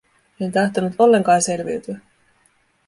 En tahtonut ollenkaan selviytyä.